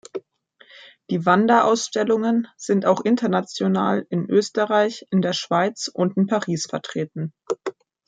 Die Wanderausstellungen sind auch international in Österreich, in der Schweiz und in Paris vertreten.